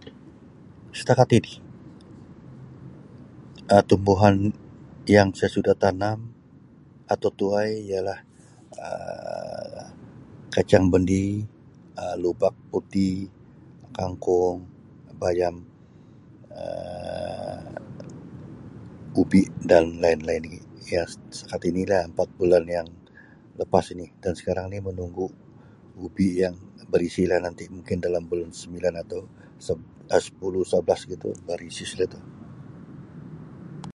Setakat ini Um tumbuhan yang saya sudah tanam atau tuai ialah Um kacang bendi, Um lobak putih, kangkung, bayam, Um ubi dan lain-lain lagi, ya setakat inilah 4 bulan yang lepas ini dan sekarang ini menunggu ubi yang berisi lah nanti mungkin dalam bulan sembilan Um sepuluh, sebelas begitu barisi sudah tu.